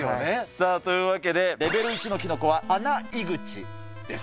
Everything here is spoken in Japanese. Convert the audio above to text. さあ、というわけで、レベル１のキノコは、ハナイグチです。